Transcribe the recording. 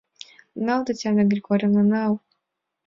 Нал, Татьяна Григорьевна, нал!